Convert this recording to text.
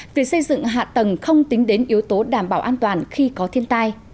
việc xây dựng hạ tầng không tính đến yếu tố đảm bảo an toàn khi có thiên tai